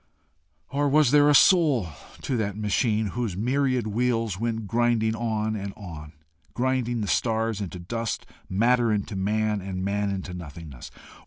Or was there a soul to that machine whose myriad wheels went grinding on and on, grinding the stars into dust, matter into man, and man into nothingness?